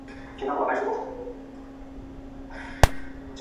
更何况盖奇本身又对殖民者抱有同情。